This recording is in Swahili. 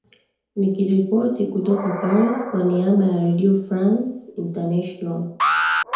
nikiripoti kutoka paris kwa niaba ya redio france international